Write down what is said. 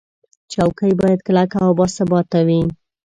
چوکۍ باید کلکه او باثباته وي.